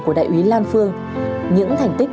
của đại úy lan phương những thành tích